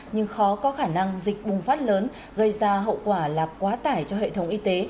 nhưng khó có khả năng dịch bùng phát lớn gây ra hậu quả là quá tải cho hệ thống y tế